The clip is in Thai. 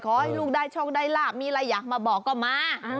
ขอให้ลูกได้โชคได้ลาบมีอะไรอยากมาบอกก็มา